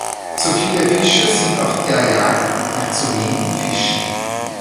Zu viele Fischer sind auf der Jagd nach zu wenigen Fischen.